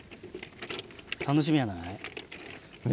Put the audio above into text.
楽しみやない？